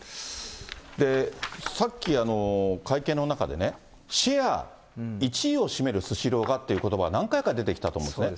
さっき会見の中でね、シェア１位を占めるスシローがっていうことば、何回か出てきたと思うんですね。